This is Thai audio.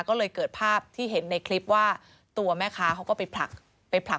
ก็เลยเกิดภาพที่เห็นในคลิปว่าตัวแม่ค้าเขาก็ไปผลักไปผลัก